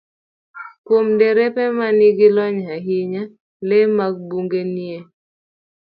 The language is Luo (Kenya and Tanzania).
Kuom derepe ma nigi lony ahinya, le mag bungu nie